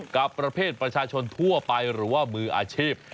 กับประเภทประชาชนทั่วไปหรือว่ามืออาชีพ